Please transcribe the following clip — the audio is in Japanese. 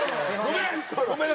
ごめん！